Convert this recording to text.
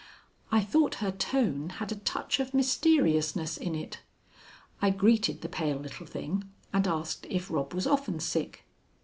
I thought her tone had a touch of mysteriousness in it. I greeted the pale little thing, and asked if Rob was often sick.